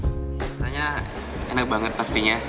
rasanya enak banget mas pin ya